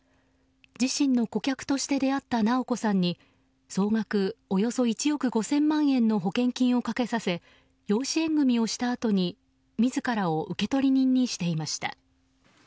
自身の顧客として出会った直子さんに総額およそ１億５０００万円の保険金をかけさせ養子縁組をしたあとに自らを受取人にしていました。